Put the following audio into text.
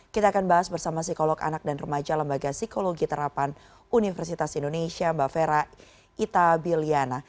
kita akan bahas bersama psikolog anak dan remaja lembaga psikologi terapan universitas indonesia mbak fera ita biliana